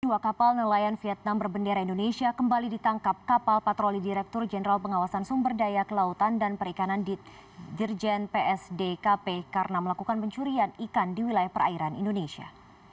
dua kapal nelayan vietnam berbendera indonesia kembali ditangkap kapal patroli direktur jenderal pengawasan sumber daya kelautan dan perikanan dirjen psdkp karena melakukan pencurian ikan di wilayah perairan indonesia